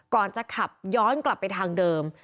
ก่อนจะขับย้อนกลับไปทางเดิม